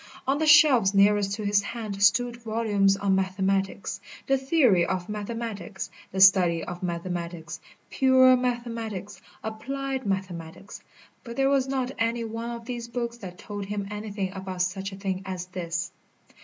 On the shelves nearest to his hand stood volumes on mathematics, the theory of mathematics, the study of mathematics, pure mathematics, applied mathematics. But there was not any one of these books that told him anything about such a thing as this.